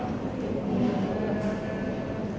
สวัสดีครับ